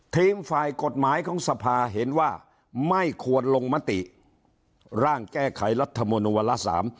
ฝ่ายกฎหมายของสภาเห็นว่าไม่ควรลงมติร่างแก้ไขรัฐมนูลวาระสาม